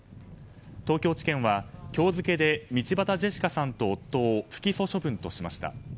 東京地検は今日付で道端ジェシカさんと夫を不起訴処分としました。